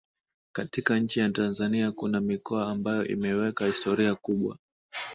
Katika nchi ya Tanzania kuna mikoa ambayo imeweka historia kubwa